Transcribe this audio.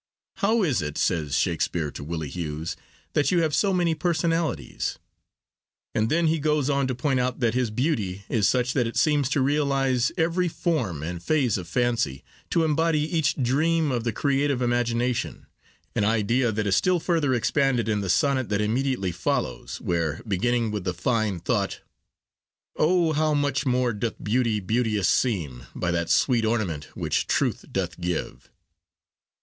'How is it,' says Shakespeare to Willie Hughes, 'that you have so many personalities?' and then he goes on to point out that his beauty is such that it seems to realise every form and phase of fancy, to embody each dream of the creative imagination—an idea that is still further expanded in the sonnet that immediately follows, where, beginning with the fine thought, O, how much more doth beauty beauteous seem By that sweet ornament which truth doth give!